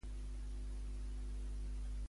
Què se li adjudica a Pretos?